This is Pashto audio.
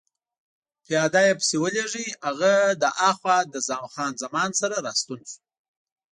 پیاده يې پسې ولېږه، هغه له هاخوا له خان زمان سره راستون شو.